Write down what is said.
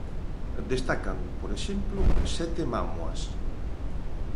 Destacan, por exemplo, sete mámoas.